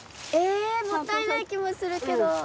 えもったいない気もするけど。